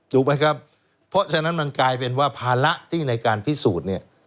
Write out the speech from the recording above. ถูกไหมครับเพราะฉะนั้นมันกลายเป็นว่าภาระที่ในการพิสูจน์เนี่ย